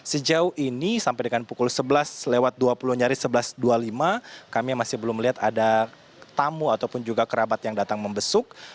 sejauh ini sampai dengan pukul sebelas lewat dua puluh nyari sebelas dua puluh lima kami masih belum melihat ada tamu ataupun juga kerabat yang datang membesuk